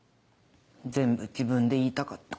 全部自分で言いたかった。